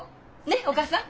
ねっお義母さん？